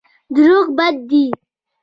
دروغ بد دی.